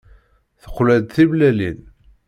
Teqla-d timellalin.